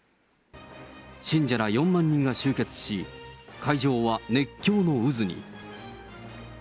信者ら４万人が集結し、会場は熱狂の渦に。